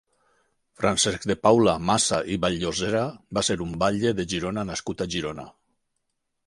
Francesc de Paula Massa i Vall-llosera va ser un batlle de Girona nascut a Girona.